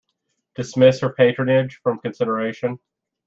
Dismiss her patronage from consideration?